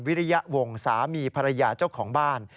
วิริยวงศ์สามีภรรยาเจ้าของบ้าน